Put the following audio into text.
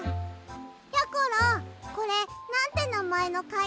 やころこれなんてなまえのかいがら？